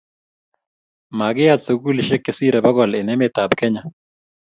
makiyat sukulisiek che sirei bokol eng' emetab Kenya